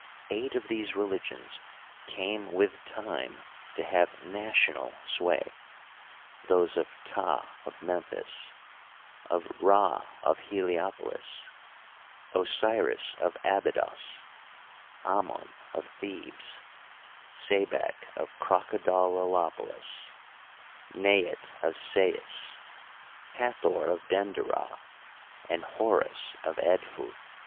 Eight of these religions came with time to have national sway : those of Ptah of Memphis, of Rd of Heliopolis, Osiris of Abydos, Amon of Thebes, Sebak of Crocodolilopolis, Neit of Sais, Hathor of Denderah, and Horus of Edfu.